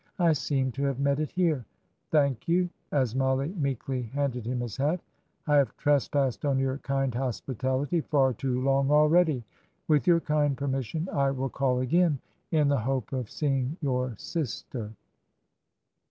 I seem to have met it here. Thank you" as Mollie meekly handed him his hat "I have trespassed on your kind hospitality far too long already. With your kind permission I will call again, in the hope of seeing your sister."